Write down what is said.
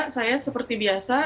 saya seperti biasa